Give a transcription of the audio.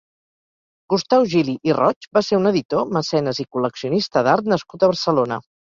Gustau Gili i Roig va ser un editor, mecenes i col·leccionista d'art nascut a Barcelona.